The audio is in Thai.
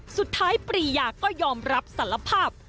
สุดท้ายปรียาก็ยอมรับสารภาพ